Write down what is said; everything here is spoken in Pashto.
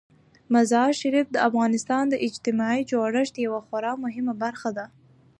مزارشریف د افغانستان د اجتماعي جوړښت یوه خورا مهمه برخه ده.